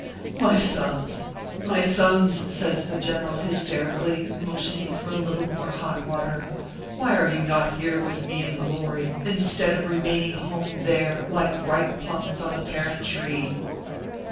My sons ! my sons !" says the general hysterically, motioning for a little more hot water, " why are you not here with me in glory, in stead of remaining home there, like ripe plums on the parent tree."